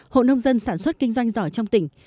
hộ nông dân sản xuất kinh doanh giỏi trong tỉnh